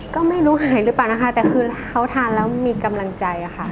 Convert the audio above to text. ก็ไม่รู้หายหรือเปล่านะคะแต่คือเขาทานแล้วมีกำลังใจค่ะ